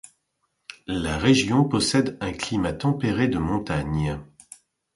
La région possède un climat tempéré de montagne.